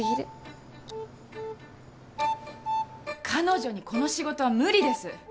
彼女にこの仕事は無理です。